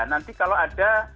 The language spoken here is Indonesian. nanti kalau ada